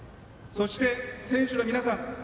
そして、選手の皆さん。